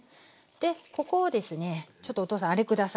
ここをですねちょっとお父さんあれ下さい。